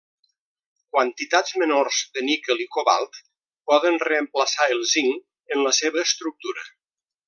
Quantitats menors de níquel i cobalt poden reemplaçar el zinc en la seva estructura.